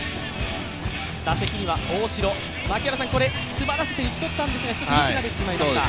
打席には大城、詰まらせて打ち取ったんですが、一つミスが出てしまいました。